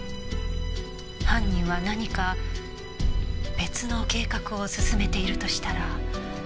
犯人は何か別の計画を進めているとしたら。